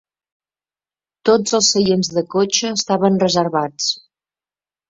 Tots els seients de cotxe estaven reservats.